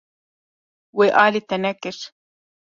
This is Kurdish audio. Wê alî te nekir.